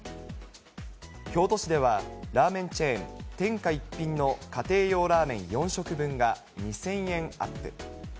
京都市ではラーメンチェーン、天下一品の家庭用ラーメン４食分が２０００円アップ。